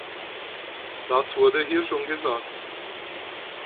Das wurde hier schon gesagt.